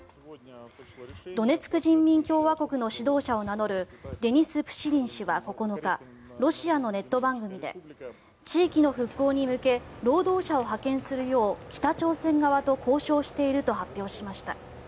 ドネツク人民共和国の指導者を名乗るデニス・プシリン氏は９日ロシアのネット番組で地域の復興に向け労働者を派遣するよう北朝鮮側と交渉していると発表しました。